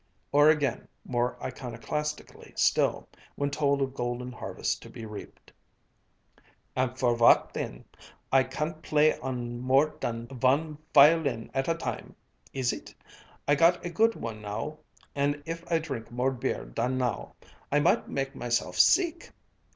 or again, more iconoclastically still, when told of golden harvests to be reaped, "And for vat den? I can't play on more dan von fioleen at a time is it? I got a good one now. And if I drink more beer dan now, I might make myself seeck!"